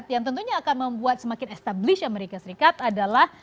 yang tentunya akan membuat semakin established amerika serikat adalah